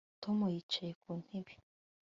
Tom yicaye ku ntebe